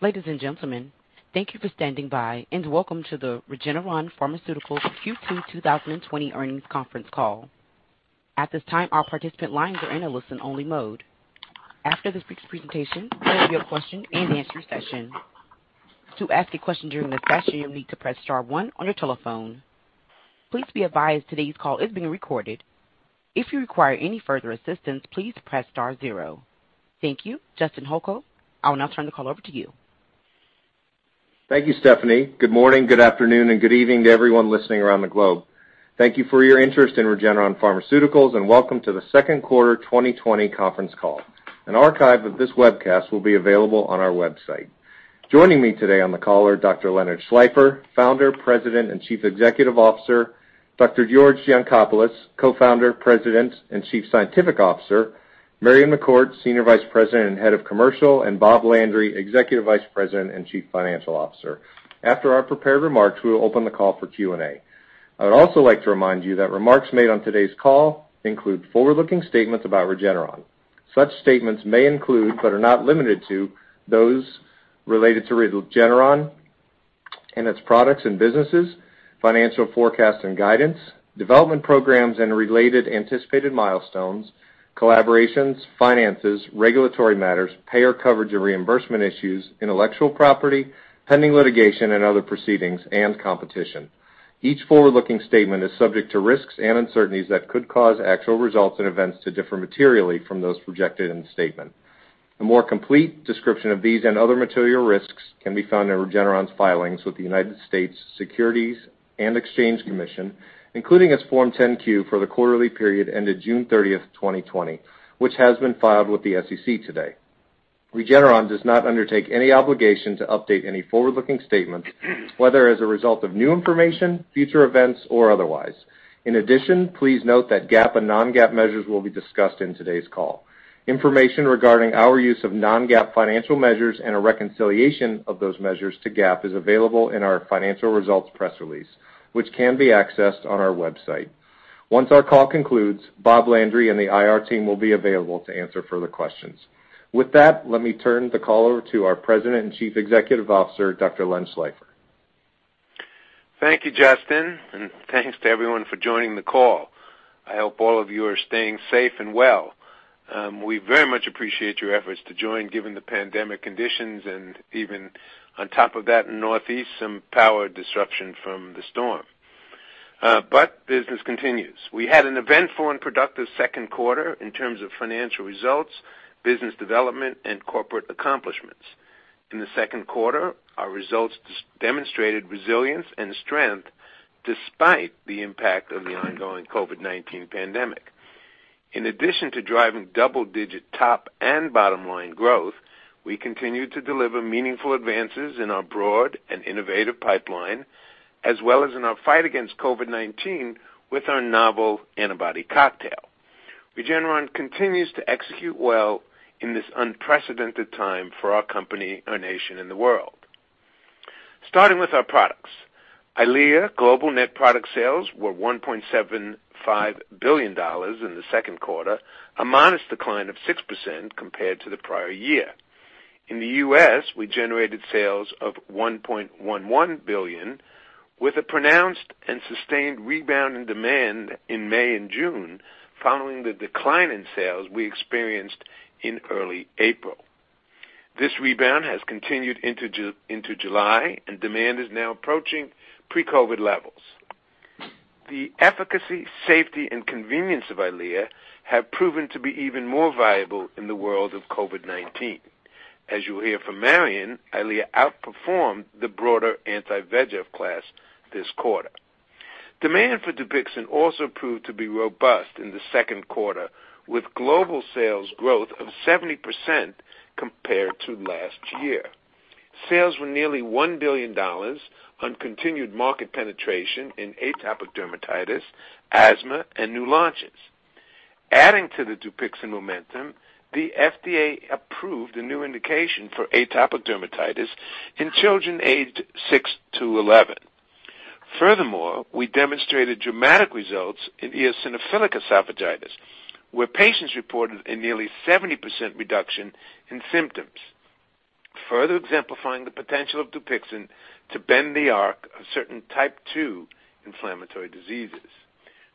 Ladies and gentlemen, thank you for standing by and welcome to the Regeneron Pharmaceuticals Q2 2020 earnings conference call. At this time, our participant lines are in a listen-only mode. After this week's presentation, there will be a question and answer session. To ask a question during the session, you'll need to press star one on your telephone. Please be advised today's call is being recorded. If you require any further assistance, please press star zero. Thank you. Justin Holko, I will now turn the call over to you. Thank you, Stephanie. Good morning, good afternoon, and good evening to everyone listening around the globe. Thank you for your interest in Regeneron Pharmaceuticals, and welcome to the second quarter 2020 conference call. An archive of this webcast will be available on our website. Joining me today on the call are Dr. Leonard Schleifer, Founder, President, and Chief Executive Officer, Dr. George Yancopoulos, Co-Founder, President, and Chief Scientific Officer, Marion McCourt, Senior Vice President and Head of Commercial, and Bob Landry, Executive Vice President and Chief Financial Officer. After our prepared remarks, we will open the call for Q&A. I would also like to remind you that remarks made on today's call include forward-looking statements about Regeneron. Such statements may include, but are not limited to, those related to Regeneron and its products and businesses, financial forecast and guidance, development programs and related anticipated milestones, collaborations, finances, regulatory matters, payer coverage and reimbursement issues, intellectual property, pending litigation and other proceedings, and competition. Each forward-looking statement is subject to risks and uncertainties that could cause actual results and events to differ materially from those projected in the statement. A more complete description of these and other material risks can be found in Regeneron's filings with the United States Securities and Exchange Commission, including its Form 10-Q for the quarterly period ended June 30, 2020, which has been filed with the SEC today. Regeneron does not undertake any obligation to update any forward-looking statements, whether as a result of new information, future events, or otherwise. In addition, please note that GAAP and non-GAAP measures will be discussed in today's call. Information regarding our use of non-GAAP financial measures and a reconciliation of those measures to GAAP is available in our financial results press release, which can be accessed on our website. Once our call concludes, Bob Landry and the IR team will be available to answer further questions. With that, let me turn the call over to our President and Chief Executive Officer, Dr. Len Schleifer. Thank you, Justin, and thanks to everyone for joining the call. I hope all of you are staying safe and well. We very much appreciate your efforts to join given the pandemic conditions and even on top of that, in the Northeast, some power disruption from the storm. Business continues. We had an eventful and productive second quarter in terms of financial results, business development, and corporate accomplishments. In the second quarter, our results demonstrated resilience and strength despite the impact of the ongoing COVID-19 pandemic. In addition to driving double-digit top and bottom-line growth, we continued to deliver meaningful advances in our broad and innovative pipeline, as well as in our fight against COVID-19 with our novel antibody cocktail. Regeneron continues to execute well in this unprecedented time for our company, our nation, and the world. Starting with our products, EYLEA global net product sales were $1.75 billion in the second quarter, a modest decline of 6% compared to the prior year. In the U.S., we generated sales of $1.11 billion with a pronounced and sustained rebound in demand in May and June, following the decline in sales we experienced in early April. Demand is now approaching pre-COVID levels. The efficacy, safety, and convenience of EYLEA have proven to be even more valuable in the world of COVID-19. As you will hear from Marion, EYLEA outperformed the broader anti-VEGF class this quarter. Demand for DUPIXENT also proved to be robust in the second quarter, with global sales growth of 70% compared to last year. Sales were nearly $1 billion on continued market penetration in atopic dermatitis, asthma, and new launches. Adding to the DUPIXENT momentum, the FDA approved a new indication for atopic dermatitis in children aged 6-11 years. Furthermore, we demonstrated dramatic results in eosinophilic esophagitis, where patients reported a nearly 70% reduction in symptoms, further exemplifying the potential of DUPIXENT to bend the arc of certain type 2 inflammatory diseases.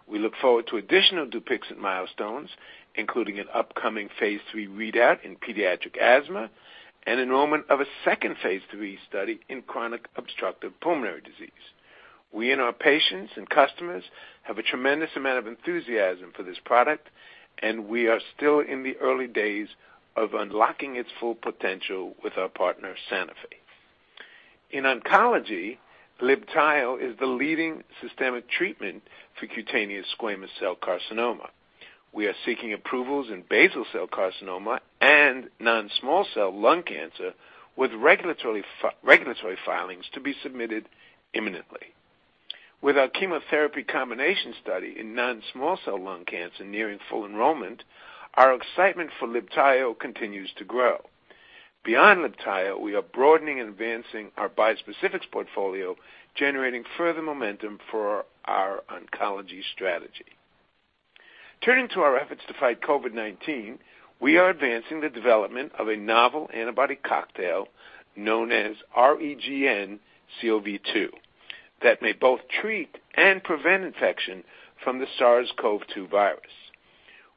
We look forward to additional DUPIXENT milestones, including an upcoming phase III readout in pediatric asthma and enrollment of a second phase III study in chronic obstructive pulmonary disease. We and our patients and customers have a tremendous amount of enthusiasm for this product, and we are still in the early days of unlocking its full potential with our partner, Sanofi. In oncology, LIBTAYO is the leading systemic treatment for cutaneous squamous cell carcinoma. We are seeking approvals in basal cell carcinoma and non-small cell lung cancer with regulatory filings to be submitted imminently. With our chemotherapy combination study in non-small cell lung cancer nearing full enrollment, our excitement for LIBTAYO continues to grow. Beyond LIBTAYO, we are broadening and advancing our bispecifics portfolio, generating further momentum for our oncology strategy. Turning to our efforts to fight COVID-19, we are advancing the development of a novel antibody cocktail known as REGN-COV2 that may both treat and prevent infection from the SARS-CoV-2 virus.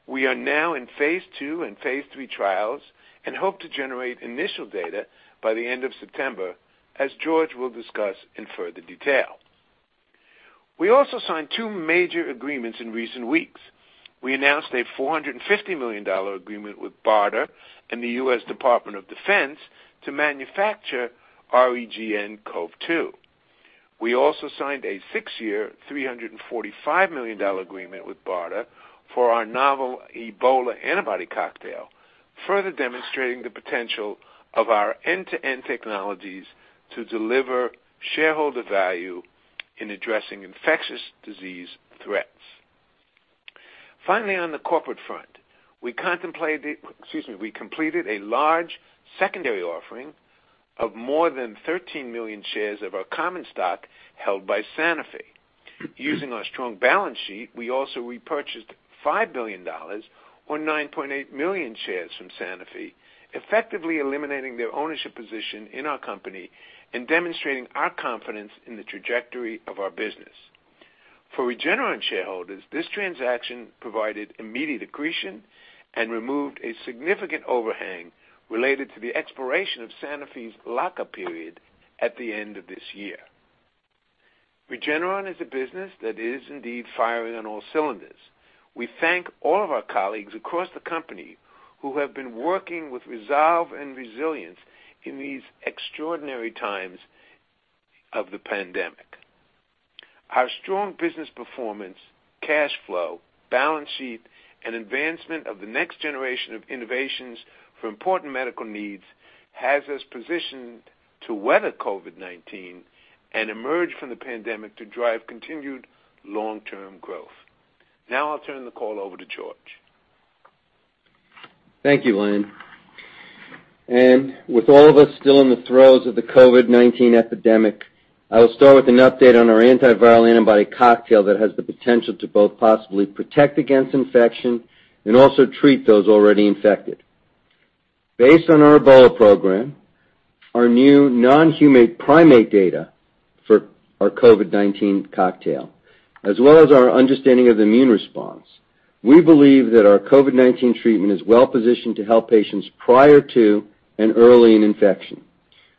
We are now in phase II and phase III trials and hope to generate initial data by the end of September, as George will discuss in further detail. We also signed two major agreements in recent weeks. We announced a $450 million agreement with BARDA and the US Department of Defense to manufacture REGN-COV2. We also signed a six-year, $345 million agreement with BARDA for our novel Ebola antibody cocktail, further demonstrating the potential of our end-to-end technologies to deliver shareholder value in addressing infectious disease threats. On the corporate front, we completed a large secondary offering of more than 13 million shares of our common stock held by Sanofi. Using our strong balance sheet, we also repurchased $5 billion, or 9.8 million shares from Sanofi, effectively eliminating their ownership position in our company and demonstrating our confidence in the trajectory of our business. For Regeneron shareholders, this transaction provided immediate accretion and removed a significant overhang related to the expiration of Sanofi's lock-up period at the end of this year. Regeneron is a business that is indeed firing on all cylinders. We thank all of our colleagues across the company who have been working with resolve and resilience in these extraordinary times of the pandemic. Our strong business performance, cash flow, balance sheet, and advancement of the next generation of innovations for important medical needs has us positioned to weather COVID-19 and emerge from the pandemic to drive continued long-term growth. Now I'll turn the call over to George. Thank you, Len. With all of us still in the throes of the COVID-19 epidemic, I will start with an update on our antiviral antibody cocktail that has the potential to both possibly protect against infection and also treat those already infected. Based on our Ebola program, our new non-human primate data for our COVID-19 cocktail, as well as our understanding of the immune response, we believe that our COVID-19 treatment is well positioned to help patients prior to and early in infection.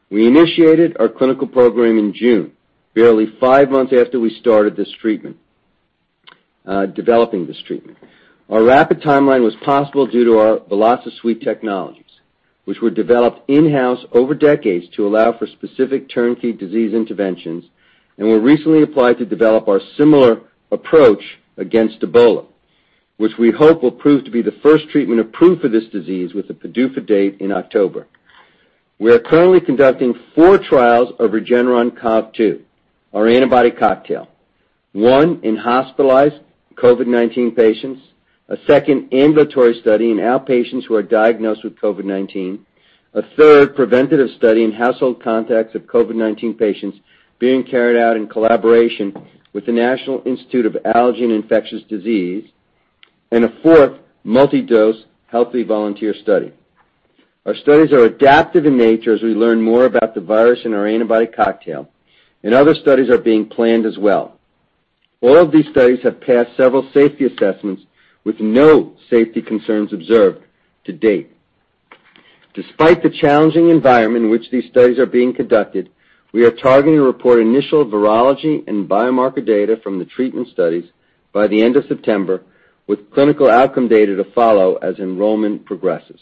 We initiated our clinical program in June, barely five months after we started developing this treatment. Our rapid timeline was possible due to our VelociSuite technologies, which were developed in-house over decades to allow for specific turnkey disease interventions and were recently applied to develop our similar approach against Ebola, which we hope will prove to be the first treatment approved for this disease with a PDUFA date in October. We are currently conducting four trials of REGN-COV2, our antibody cocktail. One in hospitalized COVID-19 patients, a second ambulatory study in outpatients who are diagnosed with COVID-19, a third preventative study in household contacts of COVID-19 patients being carried out in collaboration with the National Institute of Allergy and Infectious Diseases, and a fourth multi-dose healthy volunteer study. Our studies are adaptive in nature as we learn more about the virus and our antibody cocktail, and other studies are being planned as well. All of these studies have passed several safety assessments with no safety concerns observed to date. Despite the challenging environment in which these studies are being conducted, we are targeting to report initial virology and biomarker data from the treatment studies by the end of September, with clinical outcome data to follow as enrollment progresses.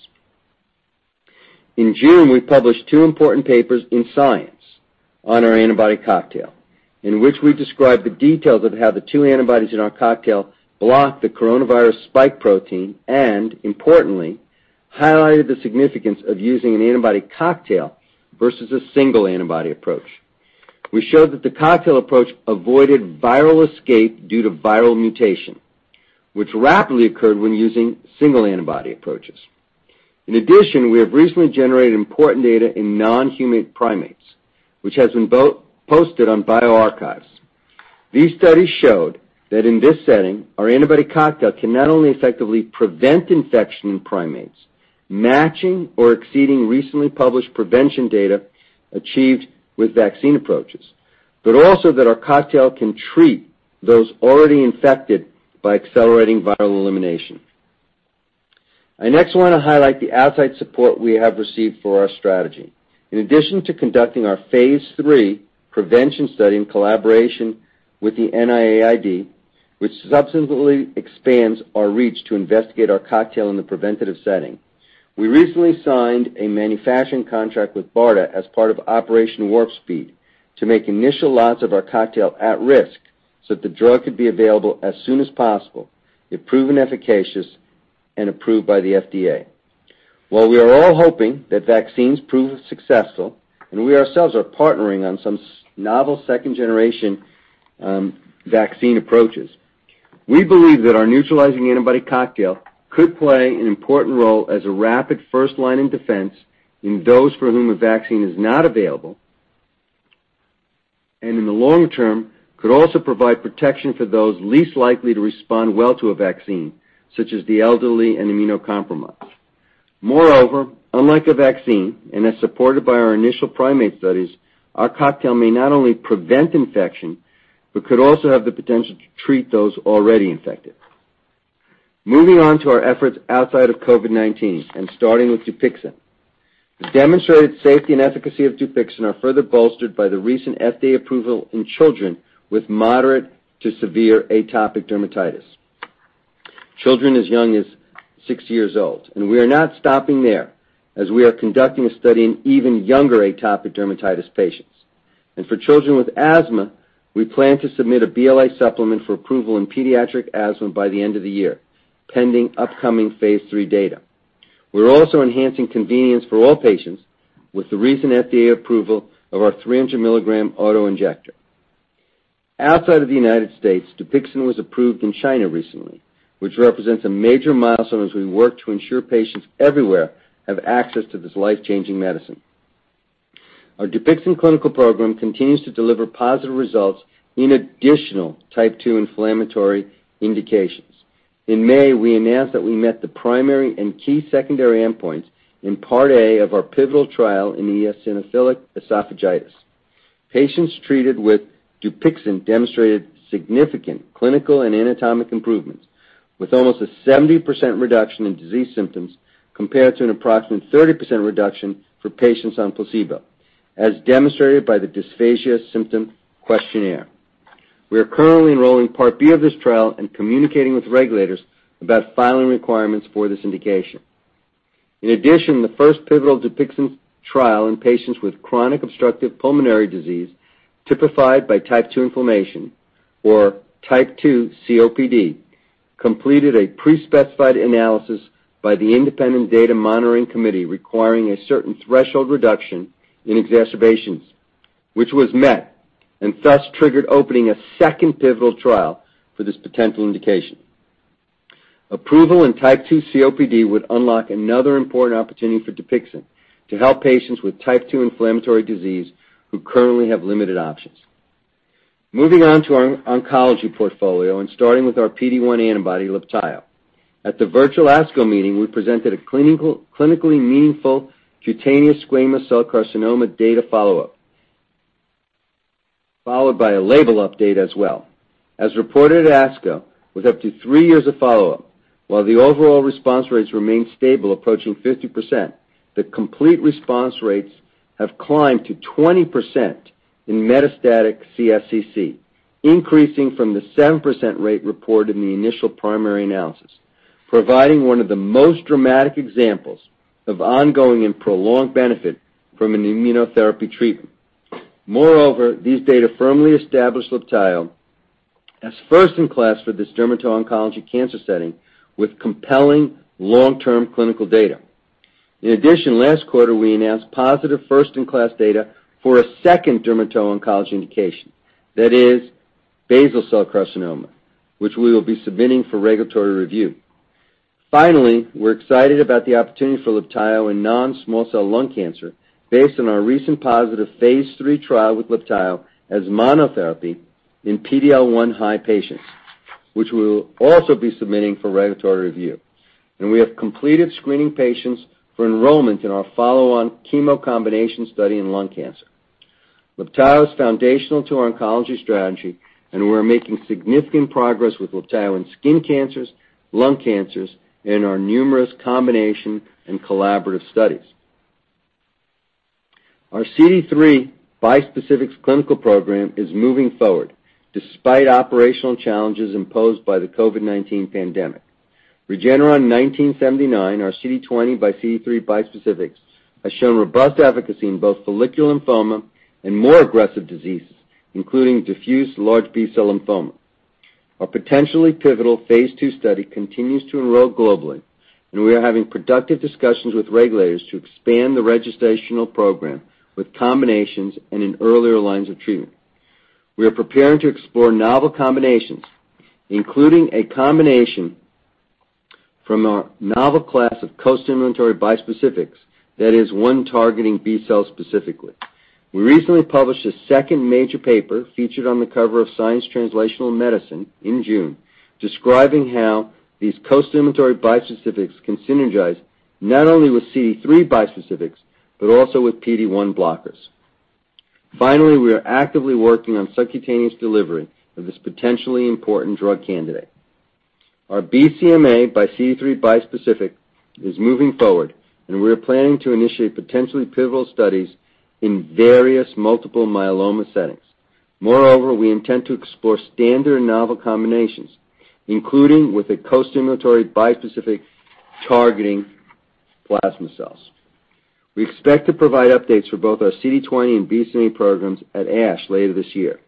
In June, we published two important papers in "Science" on our antibody cocktail, in which we described the details of how the two antibodies in our cocktail block the coronavirus spike protein and, importantly, highlighted the significance of using an antibody cocktail versus a single antibody approach. We showed that the cocktail approach avoided viral escape due to viral mutation, which rapidly occurred when using single antibody approaches. We have recently generated important data in non-human primates, which has been posted on bio archives. These studies showed that in this setting, our antibody cocktail can not only effectively prevent infection in primates, matching or exceeding recently published prevention data achieved with vaccine approaches, but also that our cocktail can treat those already infected by accelerating viral elimination. I next want to highlight the outside support we have received for our strategy. In addition to conducting our phase III prevention study in collaboration with the NIAID, which subsequently expands our reach to investigate our cocktail in the preventative setting, we recently signed a manufacturing contract with BARDA as part of Operation Warp Speed to make initial lots of our cocktail at risk so that the drug could be available as soon as possible if proven efficacious and approved by the FDA. While we are all hoping that vaccines prove successful, and we ourselves are partnering on some novel second-generation vaccine approaches, we believe that our neutralizing antibody cocktail could play an important role as a rapid first-line of defense in those for whom a vaccine is not available. In the long term, could also provide protection for those least likely to respond well to a vaccine, such as the elderly and immunocompromised. Moreover, unlike a vaccine, and as supported by our initial primate studies, our cocktail may not only prevent infection, but could also have the potential to treat those already infected. Moving on to our efforts outside of COVID-19. Starting with DUPIXENT. The demonstrated safety and efficacy of DUPIXENT are further bolstered by the recent FDA approval in children with moderate to severe atopic dermatitis, children as young as six years old. We are not stopping there, as we are conducting a study in even younger atopic dermatitis patients. For children with asthma, we plan to submit a BLA supplement for approval in pediatric asthma by the end of the year, pending upcoming phase III data. We are also enhancing convenience for all patients with the recent FDA approval of our 300 mg auto-injector. Outside of the United States, DUPIXENT was approved in China recently, which represents a major milestone as we work to ensure patients everywhere have access to this life-changing medicine. Our DUPIXENT clinical program continues to deliver positive results in additional type 2 inflammatory indications. In May, we announced that we met the primary and key secondary endpoints in part A of our pivotal trial in eosinophilic esophagitis. Patients treated with DUPIXENT demonstrated significant clinical and anatomic improvements, with almost a 70% reduction in disease symptoms compared to an approximate 30% reduction for patients on placebo, as demonstrated by the Dysphagia Symptom Questionnaire. We are currently enrolling part B of this trial and communicating with regulators about filing requirements for this indication. In addition, the first pivotal DUPIXENT trial in patients with chronic obstructive pulmonary disease, typified by type 2 inflammation, or type 2 COPD, completed a pre-specified analysis by the independent data monitoring committee requiring a certain threshold reduction in exacerbations, which was met, and thus triggered opening a second pivotal trial for this potential indication. Approval in type 2 COPD would unlock another important opportunity for DUPIXENT to help patients with type 2 inflammatory disease who currently have limited options. Moving on to our oncology portfolio and starting with our PD-1 antibody, LIBTAYO. At the virtual ASCO meeting, we presented a clinically meaningful cutaneous squamous cell carcinoma data follow-up, followed by a label update as well. As reported at ASCO, with up to three years of follow-up, while the overall response rates remain stable approaching 50%, the complete response rates have climbed to 20% in metastatic CSCC, increasing from the 7% rate reported in the initial primary analysis, providing one of the most dramatic examples of ongoing and prolonged benefit from an immunotherapy treatment. Moreover, these data firmly establish LIBTAYO as first in class for this dermato-oncology cancer setting with compelling long-term clinical data. In addition, last quarter, we announced positive first-in-class data for a second dermato-oncology indication, that is basal cell carcinoma, which we will be submitting for regulatory review. We're excited about the opportunity for LIBTAYO in non-small cell lung cancer based on our recent positive phase III trial with LIBTAYO as monotherapy in PD-L1 high patients, which we'll also be submitting for regulatory review. We have completed screening patients for enrollment in our follow-on chemo combination study in lung cancer. LIBTAYO is foundational to our oncology strategy. We're making significant progress with LIBTAYO in skin cancers, lung cancers, and our numerous combination and collaborative studies. Our CD3 bispecifics clinical program is moving forward despite operational challenges imposed by the COVID-19 pandemic. Regeneron 1979, our CD20 by CD3 bispecifics, has shown robust efficacy in both follicular lymphoma and more aggressive diseases, including diffuse large B-cell lymphoma. Our potentially pivotal phase II study continues to enroll globally. We are having productive discussions with regulators to expand the registrational program with combinations and in earlier lines of treatment. We are preparing to explore novel combinations, including a combination from a novel class of costimulatory bispecifics, that is one targeting B-cell specifically. We recently published a second major paper featured on the cover of Science Translational Medicine in June, describing how these costimulatory bispecifics can synergize not only with CD3 bispecifics, also with PD-1 blockers. Finally, we are actively working on subcutaneous delivery of this potentially important drug candidate. Our BCMA by CD3 bispecific is moving forward. We are planning to initiate potentially pivotal studies in various multiple myeloma settings. Moreover, we intend to explore standard novel combinations, including with a costimulatory bispecific targeting plasma cells. We expect to provide updates for both our CD20 and BCMA programs at ASH later this year.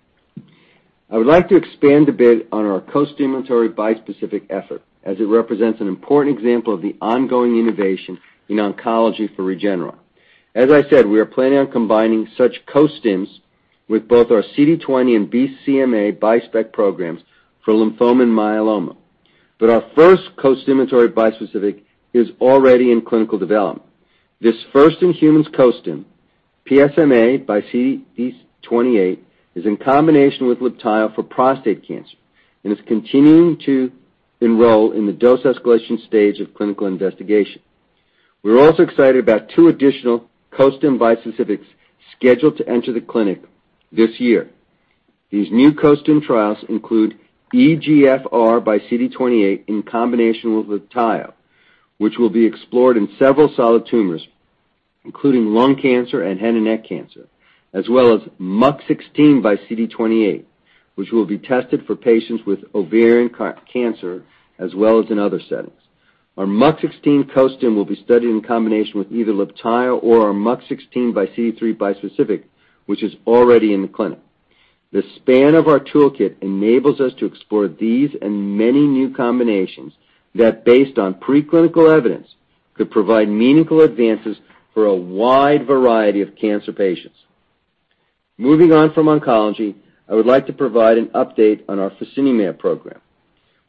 I would like to expand a bit on our costimulatory bispecific effort, as it represents an important example of the ongoing innovation in oncology for Regeneron. As I said, we are planning on combining such costims with both our CD20 and BCMA bispec programs for lymphoma and myeloma. Our first costimulatory bispecific is already in clinical development. This first-in-humans costim, PSMA by CD28, is in combination with LIBTAYO for prostate cancer and is continuing to enroll in the dose escalation stage of clinical investigation. We're also excited about two additional costim bispecifics scheduled to enter the clinic this year. These new costim trials include EGFR by CD28 in combination with LIBTAYO, which will be explored in several solid tumors, including lung cancer and head and neck cancer, as well as MUC16 by CD28, which will be tested for patients with ovarian cancer, as well as in other settings. Our MUC16 costim will be studied in combination with either LIBTAYO or our MUC16 by CD3 bispecific, which is already in the clinic. The span of our toolkit enables us to explore these and many new combinations that, based on pre-clinical evidence, could provide meaningful advances for a wide variety of cancer patients. Moving on from oncology, I would like to provide an update on our fasinumab program.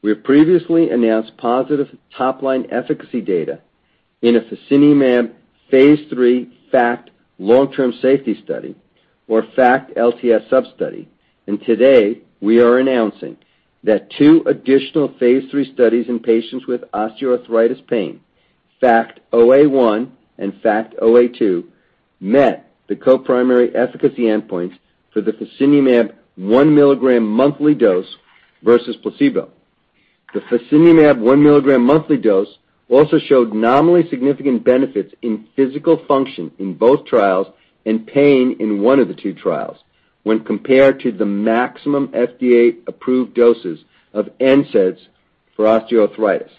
We have previously announced positive top-line efficacy data in a fasinumab phase III FACT long-term safety study or FACT-LTS sub-study. Today, we are announcing that two additional Phase III studies in patients with osteoarthritis pain, FACT OA1 and FACT OA2, met the co-primary efficacy endpoints for the fasinumab 1 mg monthly dose versus placebo. The fasinumab 1 mg monthly dose also showed nominally significant benefits in physical function in both trials and pain in one of the two trials when compared to the maximum FDA-approved doses of NSAIDs for osteoarthritis.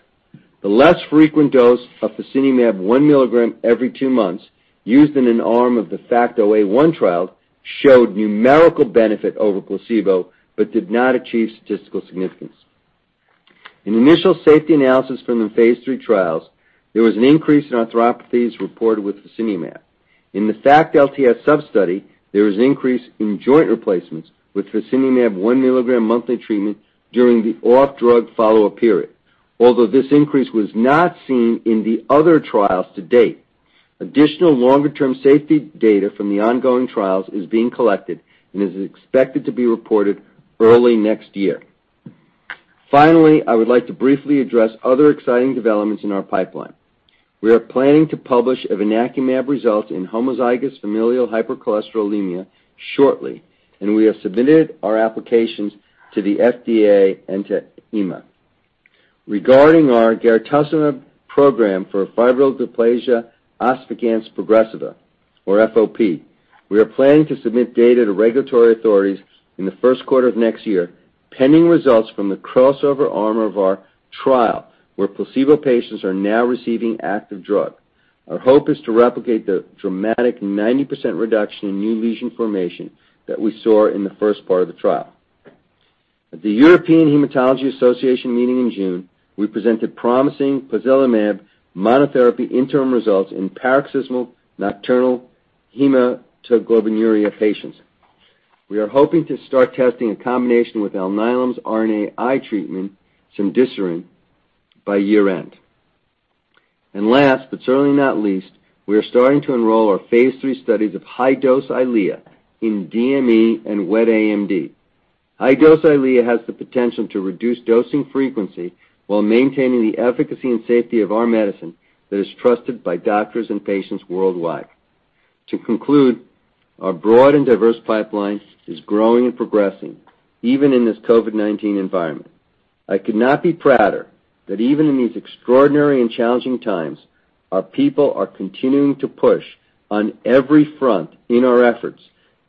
The less frequent dose of fasinumab 1 mg every two months used in an arm of the FACT OA1 trial showed numerical benefit over placebo but did not achieve statistical significance. In initial safety analysis from the Phase III trials, there was an increase in arthropathies reported with fasinumab. In the FACT-LTS sub-study, there was an increase in joint replacements with fasinumab 1 mg monthly treatment during the off-drug follow-up period, although this increase was not seen in the other trials to date. Additional longer-term safety data from the ongoing trials is being collected and is expected to be reported early next year. Finally, I would like to briefly address other exciting developments in our pipeline. We are planning to publish evinacumab results in homozygous familial hypercholesterolemia shortly, and we have submitted our applications to the FDA and to EMA. Regarding our garetosmab program for fibrodysplasia ossificans progressiva, or FOP, we are planning to submit data to regulatory authorities in the first quarter of next year, pending results from the crossover arm of our trial, where placebo patients are now receiving active drug. Our hope is to replicate the dramatic 90% reduction in new lesion formation that we saw in the first part of the trial. At the European Hematology Association meeting in June, we presented promising pozelimab monotherapy interim results in paroxysmal nocturnal hemoglobinuria patients. We are hoping to start testing a combination with Alnylam's RNAi treatment, cemdisiran, by year-end. Last, but certainly not least, we are starting to enroll our phase III studies of high-dose EYLEA in DME and wet AMD. High-dose EYLEA has the potential to reduce dosing frequency while maintaining the efficacy and safety of our medicine that is trusted by doctors and patients worldwide. To conclude, our broad and diverse pipeline is growing and progressing, even in this COVID-19 environment. I could not be prouder that even in these extraordinary and challenging times, our people are continuing to push on every front in our efforts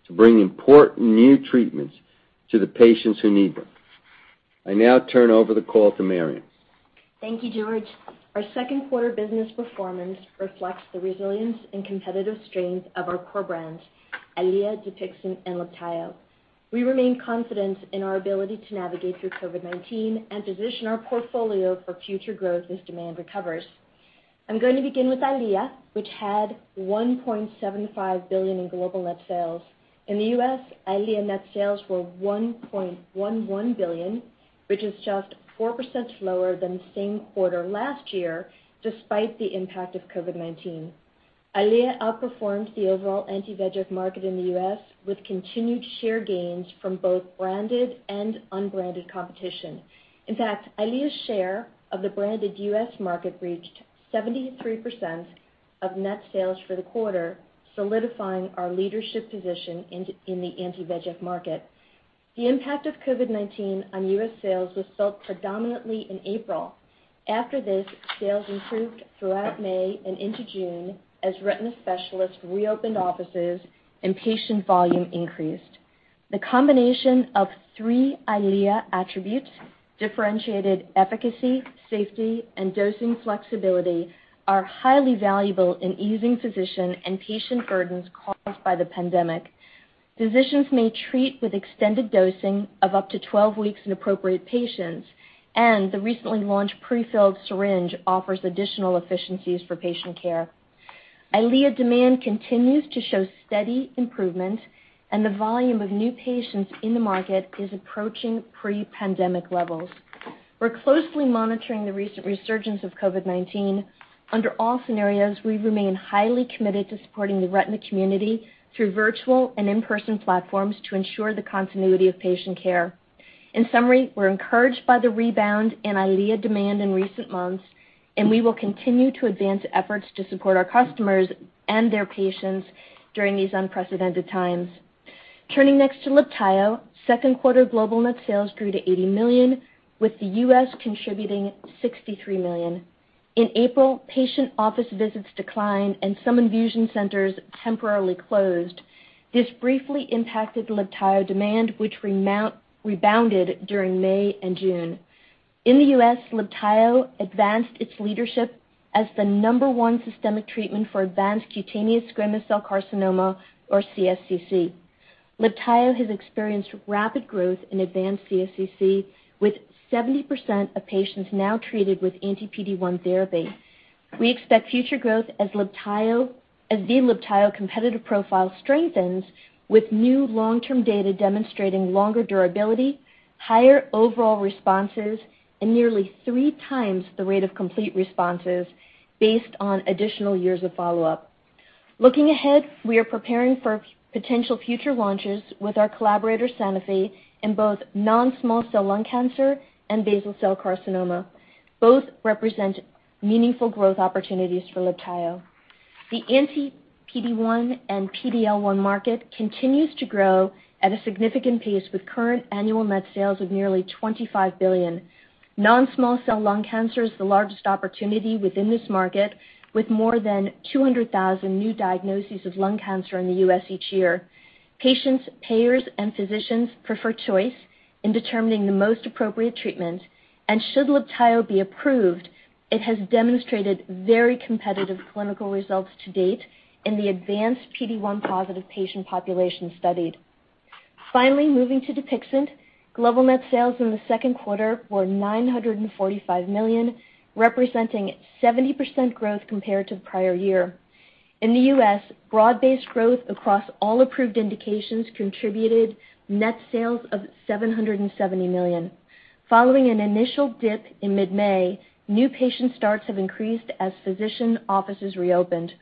to bring important new treatments to the patients who need them. I now turn over the call to Marion. Thank you, George. Our second quarter business performance reflects the resilience and competitive strength of our core brands, EYLEA, DUPIXENT, and LIBTAYO. We remain confident in our ability to navigate through COVID-19 and position our portfolio for future growth as demand recovers. I'm going to begin with EYLEA, which had $1.75 billion in global net sales. In the U.S., EYLEA net sales were $1.11 billion, which is just 4% lower than the same quarter last year, despite the impact of COVID-19. EYLEA outperformed the overall anti-VEGF market in the U.S., with continued share gains from both branded and unbranded competition. EYLEA's share of the branded U.S. market reached 73% of net sales for the quarter, solidifying our leadership position in the anti-VEGF market. The impact of COVID-19 on U.S. sales was felt predominantly in April. After this, sales improved throughout May and into June as retina specialists reopened offices and patient volume increased. The combination of three Eylea attributes, differentiated efficacy, safety, and dosing flexibility, are highly valuable in easing physician and patient burdens caused by the pandemic. Physicians may treat with extended dosing of up to 12 weeks in appropriate patients, and the recently launched pre-filled syringe offers additional efficiencies for patient care. Eylea demand continues to show steady improvement, and the volume of new patients in the market is approaching pre-pandemic levels. We're closely monitoring the recent resurgence of COVID-19. Under all scenarios, we remain highly committed to supporting the retina community through virtual and in-person platforms to ensure the continuity of patient care. In summary, we're encouraged by the rebound in Eylea demand in recent months, and we will continue to advance efforts to support our customers and their patients during these unprecedented times. Turning next to LIBTAYO, second quarter global net sales grew to $80 million, with the U.S. contributing $63 million. In April, patient office visits declined, and some infusion centers temporarily closed. This briefly impacted LIBTAYO demand, which rebounded during May and June. In the U.S., LIBTAYO advanced its leadership as the number one systemic treatment for advanced cutaneous squamous cell carcinoma or CSCC. LIBTAYO has experienced rapid growth in advanced CSCC, with 70% of patients now treated with anti-PD-1 therapy. We expect future growth as the LIBTAYO competitive profile strengthens with new long-term data demonstrating longer durability, higher overall responses, and nearly three times the rate of complete responses based on additional years of follow-up. Looking ahead, we are preparing for potential future launches with our collaborator, Sanofi, in both non-small cell lung cancer and basal cell carcinoma. Both represent meaningful growth opportunities for LIBTAYO. The anti-PD-1 and PD-L1 market continues to grow at a significant pace with current annual net sales of nearly $25 billion. Non-small cell lung cancer is the largest opportunity within this market, with more than 200,000 new diagnoses of lung cancer in the U.S. each year. Patients, payers, and physicians prefer choice in determining the most appropriate treatment, and should LIBTAYO be approved, it has demonstrated very competitive clinical results to date in the advanced PD-1 positive patient population studied. Finally, moving to DUPIXENT, global net sales in the second quarter were $945 million, representing 70% growth compared to the prior year. In the U.S., broad-based growth across all approved indications contributed net sales of $770 million. Following an initial dip in mid-May, new patient starts have increased as physician offices reopened.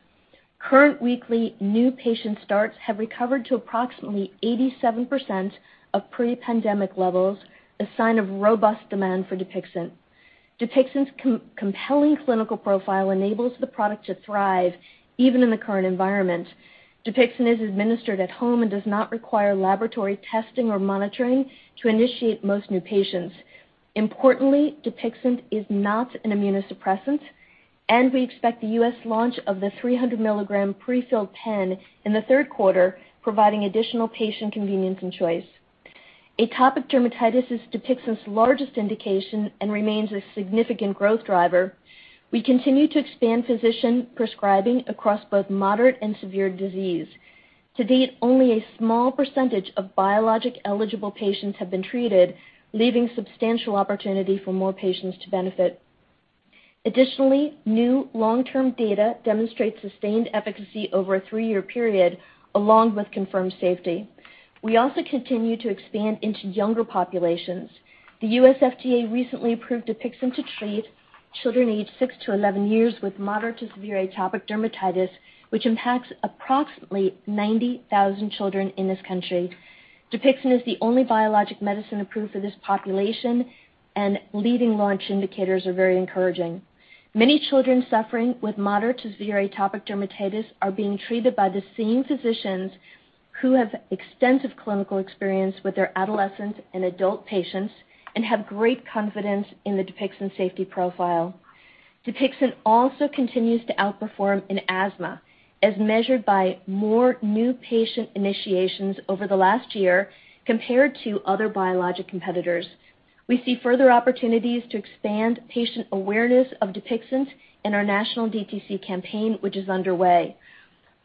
Current weekly new patient starts have recovered to approximately 87% of pre-pandemic levels, a sign of robust demand for DUPIXENT. DUPIXENT's compelling clinical profile enables the product to thrive even in the current environment. DUPIXENT is administered at home and does not require laboratory testing or monitoring to initiate most new patients. Importantly, DUPIXENT is not an immunosuppressant, and we expect the U.S. launch of the 300 mg prefilled pen in the third quarter, providing additional patient convenience and choice. Atopic dermatitis is DUPIXENT's largest indication and remains a significant growth driver. We continue to expand physician prescribing across both moderate and severe disease. To date, only a small percentage of biologic-eligible patients have been treated, leaving substantial opportunity for more patients to benefit. Additionally, new long-term data demonstrates sustained efficacy over a three-year period, along with confirmed safety. We also continue to expand into younger populations. The U.S. FDA recently approved DUPIXENT to treat children aged 6-11 years with moderate to severe atopic dermatitis, which impacts approximately 90,000 children in this country. DUPIXENT is the only biologic medicine approved for this population. Leading launch indicators are very encouraging. Many children suffering with moderate to severe atopic dermatitis are being treated by the same physicians who have extensive clinical experience with their adolescent and adult patients and have great confidence in the DUPIXENT safety profile. DUPIXENT also continues to outperform in asthma, as measured by more new patient initiations over the last year compared to other biologic competitors. We see further opportunities to expand patient awareness of DUPIXENT in our national DTC campaign, which is underway.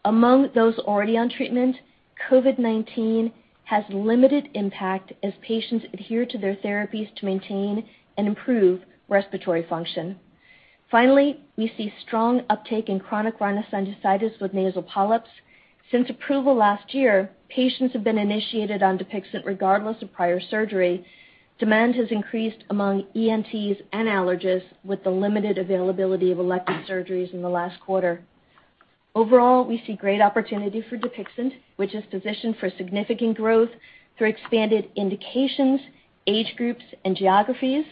Among those already on treatment, COVID-19 has limited impact as patients adhere to their therapies to maintain and improve respiratory function. We see strong uptake in chronic rhinosinusitis with nasal polyps. Since approval last year, patients have been initiated on DUPIXENT regardless of prior surgery. Demand has increased among ENTs and allergists with the limited availability of elective surgeries in the last quarter. We see great opportunity for DUPIXENT, which is positioned for significant growth through expanded indications, age groups, and geographies.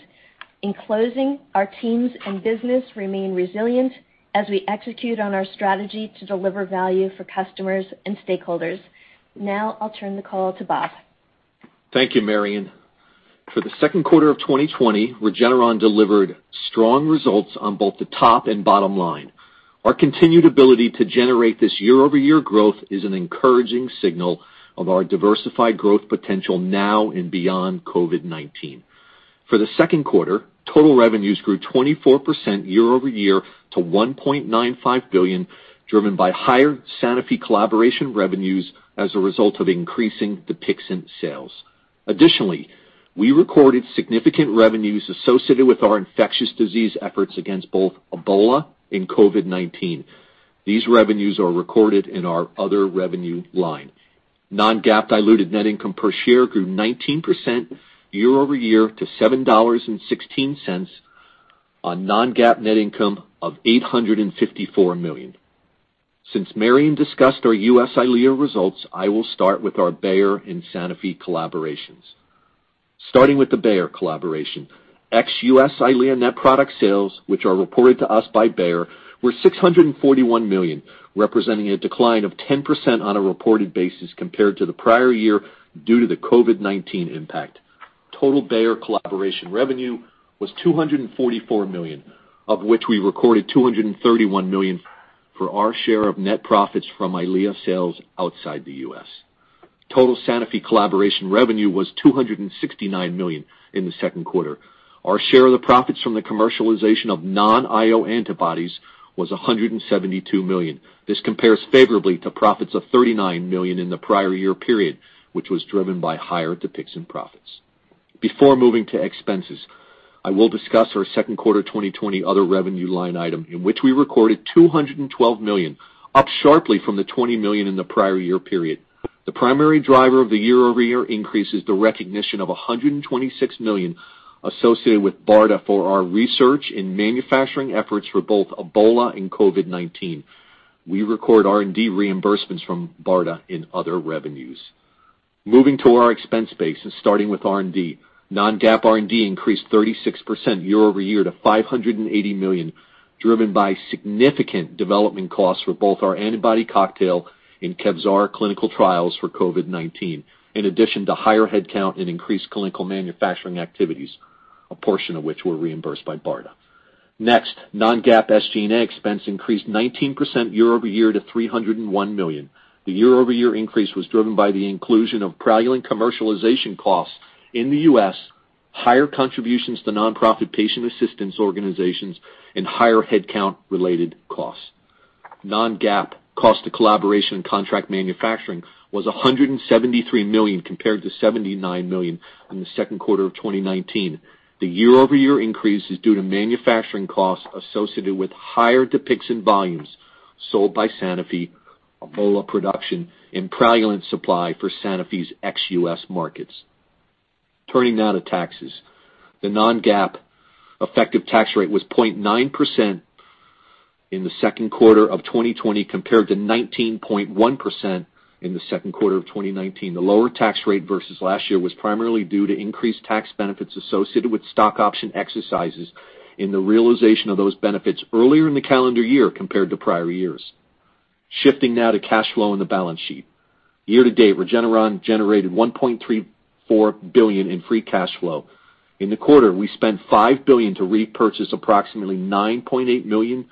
In closing, our teams and business remain resilient as we execute on our strategy to deliver value for customers and stakeholders. I'll turn the call to Bob. Thank you, Marion. For the second quarter of 2020, Regeneron delivered strong results on both the top and bottom line. Our continued ability to generate this year-over-year growth is an encouraging signal of our diversified growth potential now and beyond COVID-19. For the second quarter, total revenues grew 24% year-over-year to $1.95 billion, driven by higher Sanofi collaboration revenues as a result of increasing DUPIXENT sales. Additionally, we recorded significant revenues associated with our infectious disease efforts against both Ebola and COVID-19. These revenues are recorded in our other revenue line. Non-GAAP diluted net income per share grew 19% year-over-year to $7.16 on non-GAAP net income of $854 million. Since Marion discussed our U.S. EYLEA results, I will start with our Bayer and Sanofi collaborations. Starting with the Bayer collaboration, ex-U.S. EYLEA net product sales, which are reported to us by Bayer, were $641 million, representing a decline of 10% on a reported basis compared to the prior year due to the COVID-19 impact. Total Bayer collaboration revenue was $244 million, of which we recorded $231 million for our share of net profits from EYLEA sales outside the U.S. Total Sanofi collaboration revenue was $269 million in the second quarter. Our share of the profits from the commercialization of non-IO antibodies was $172 million. This compares favorably to profits of $39 million in the prior year period, which was driven by higher DUPIXENT profits. Before moving to expenses, I will discuss our second quarter 2020 other revenue line item, in which we recorded $212 million, up sharply from the $20 million in the prior year period. The primary driver of the year-over-year increase is the recognition of $126 million associated with BARDA for our research and manufacturing efforts for both Ebola and COVID-19. We record R&D reimbursements from BARDA in other revenues. Moving to our expense base and starting with R&D. Non-GAAP R&D increased 36% year-over-year to $580 million, driven by significant development costs for both our antibody cocktail and KEVZARA clinical trials for COVID-19, in addition to higher headcount and increased clinical manufacturing activities, a portion of which were reimbursed by BARDA. Next, non-GAAP SG&A expense increased 19% year-over-year to $301 million. The year-over-year increase was driven by the inclusion of Praluent commercialization costs in the U.S., higher contributions to nonprofit patient assistance organizations, and higher headcount related costs. Non-GAAP cost of collaboration and contract manufacturing was $173 million compared to $79 million in the second quarter of 2019. The year-over-year increase is due to manufacturing costs associated with higher DUPIXENT volumes sold by Sanofi, Ebola production, and Praluent supply for Sanofi's ex-U.S. markets. Turning now to taxes. The non-GAAP effective tax rate was 0.9% in the second quarter of 2020 compared to 19.1% in the second quarter of 2019. The lower tax rate versus last year was primarily due to increased tax benefits associated with stock option exercises and the realization of those benefits earlier in the calendar year compared to prior years. Shifting now to cash flow and the balance sheet. Year-to-date, Regeneron generated $1.34 billion in free cash flow. In the quarter, we spent $5 billion to repurchase approximately 9.8 million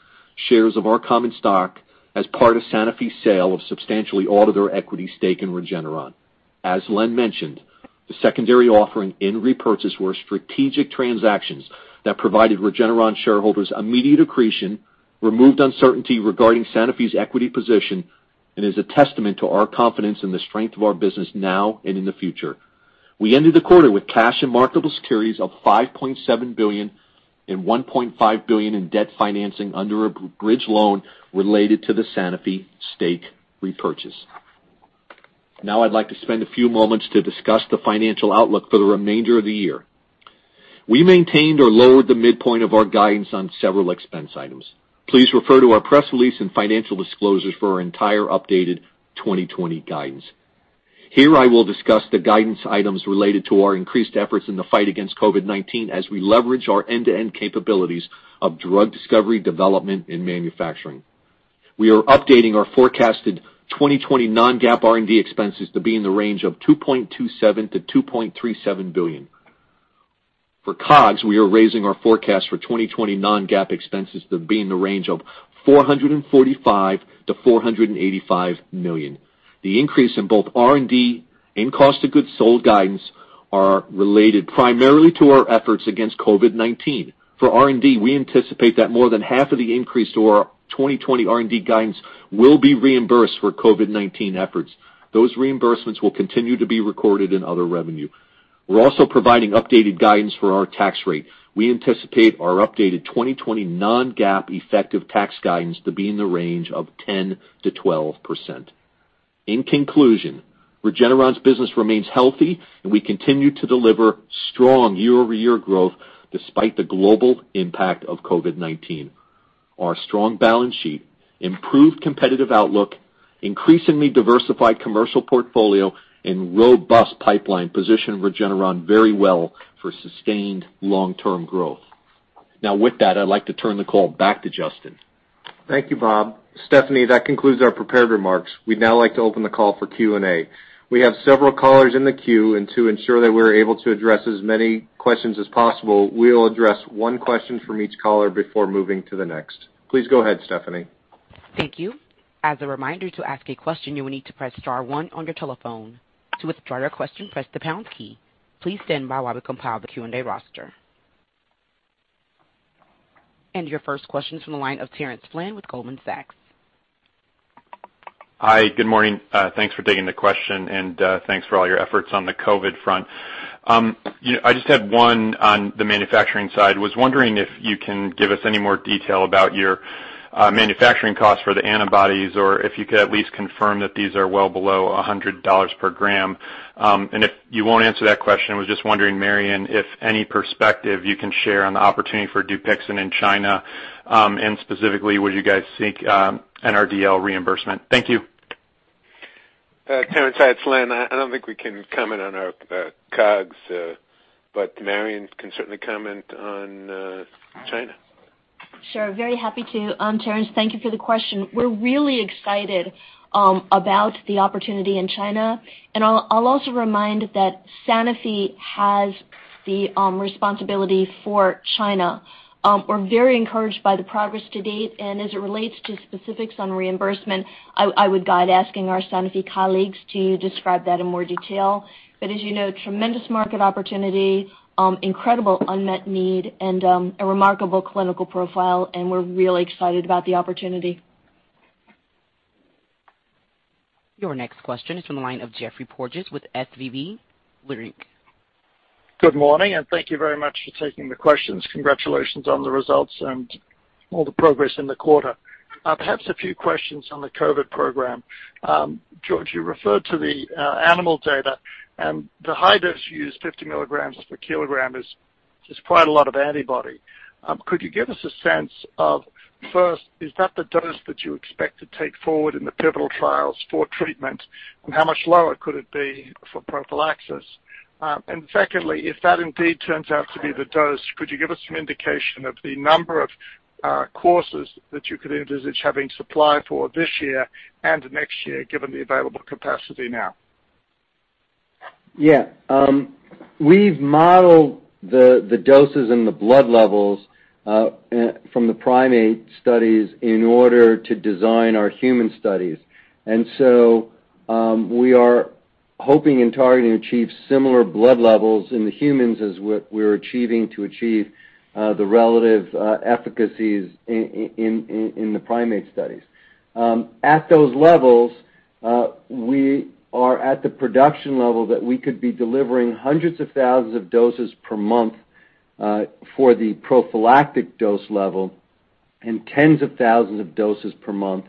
shares of our common stock as part of Sanofi's sale of substantially all of their equity stake in Regeneron. As Len mentioned, the secondary offering and repurchase were strategic transactions that provided Regeneron shareholders immediate accretion, removed uncertainty regarding Sanofi's equity position, and is a testament to our confidence in the strength of our business now and in the future. We ended the quarter with cash and marketable securities of $5.7 billion and $1.5 billion in debt financing under a bridge loan related to the Sanofi stake repurchase. Now I'd like to spend a few moments to discuss the financial outlook for the remainder of the year. We maintained or lowered the midpoint of our guidance on several expense items. Please refer to our press release and financial disclosures for our entire updated 2020 guidance. Here I will discuss the guidance items related to our increased efforts in the fight against COVID-19 as we leverage our end-to-end capabilities of drug discovery, development, and manufacturing. We are updating our forecasted 2020 non-GAAP R&D expenses to be in the range of $2.27 billion-$2.37 billion. For COGS, we are raising our forecast for 2020 non-GAAP expenses to be in the range of $445 million-$485 million. The increase in both R&D and cost of goods sold guidance are related primarily to our efforts against COVID-19. For R&D, we anticipate that more than half of the increase to our 2020 R&D guidance will be reimbursed for COVID-19 efforts. Those reimbursements will continue to be recorded in other revenue. We're also providing updated guidance for our tax rate. We anticipate our updated 2020 non-GAAP effective tax guidance to be in the range of 10%-12%. In conclusion, Regeneron's business remains healthy, and we continue to deliver strong year-over-year growth despite the global impact of COVID-19. Our strong balance sheet, improved competitive outlook, increasingly diversified commercial portfolio, and robust pipeline position Regeneron very well for sustained long-term growth. With that, I'd like to turn the call back to Justin. Thank you, Bob. Stephanie, that concludes our prepared remarks. We'd now like to open the call for Q&A. We have several callers in the queue and to ensure that we're able to address as many questions as possible, we will address one question from each caller before moving to the next. Please go ahead, Stephanie. Thank you. As a reminder, to ask a question, you will need to press star one on your telephone. To withdraw your question, press the pound key. Please stand by while we compile the Q&A roster. Your first question is from the line of Terence Flynn with Goldman Sachs. Hi, good morning. Thanks for taking the question, and thanks for all your efforts on the COVID front. I just had one on the manufacturing side. Was wondering if you can give us any more detail about your manufacturing cost for the antibodies, or if you could at least confirm that these are well below $100 per gram. If you won't answer that question, I was just wondering, Marion, if any perspective you can share on the opportunity for DUPIXENT in China, and specifically, would you guys seek an NRDL reimbursement? Thank you. Terence, hi, it's Len. I don't think we can comment on our COGS, but Marion can certainly comment on China. Sure. Very happy to. Terence, thank you for the question. We're really excited about the opportunity in China. I'll also remind that Sanofi has the responsibility for China. We're very encouraged by the progress to date. As it relates to specifics on reimbursement, I would guide asking our Sanofi colleagues to describe that in more detail. As you know, tremendous market opportunity, incredible unmet need, and a remarkable clinical profile. We're really excited about the opportunity. Your next question is from the line of Geoffrey Porges with SVB Leerink. Good morning, and thank you very much for taking the questions. Congratulations on the results and all the progress in the quarter. Perhaps a few questions on the COVID program. George, you referred to the animal data, and the high dose you used, 50 mg/kg, is quite a lot of antibody. Could you give us a sense of, first, is that the dose that you expect to take forward in the pivotal trials for treatment, and how much lower could it be for prophylaxis? Secondly, if that indeed turns out to be the dose, could you give us some indication of the number of courses that you could envisage having supply for this year and next year, given the available capacity now? Yeah. We've modeled the doses and the blood levels from the primate studies in order to design our human studies. So we are hoping and targeting to achieve similar blood levels in the humans as what we're achieving to achieve the relative efficacies in the primate studies. At those levels, we are at the production level that we could be delivering hundreds of thousands of doses per month for the prophylactic dose level and tens of thousands of doses per month